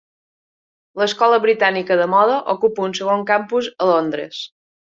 L"Escola Britànica de Moda ocupa un segon campus a Londres.